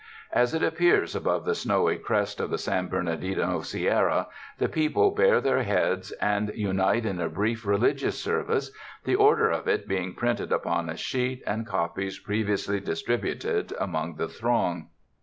As it appears above the snowy crest of the San Bernardino Sierra, the people bare their heads and unite in a brief religious sei ^ace, the or der of it being printed upon a sheet and copies pre viously distributed among the throng.